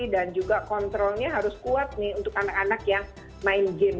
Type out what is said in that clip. dan juga kontrolnya harus kuat nih untuk anak anak yang main game